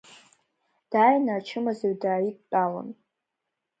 Дааины ачымазаҩ дааидтәалон.